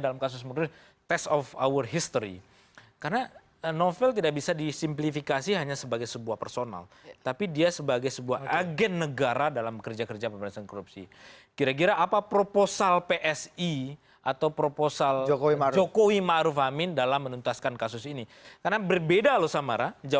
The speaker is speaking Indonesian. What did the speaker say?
donald masih punya segudang pertanyaan untuk anda berdua